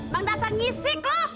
bang dasar nyisik lu